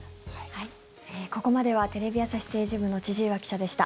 ここまではテレビ朝日政治部の千々岩記者でした。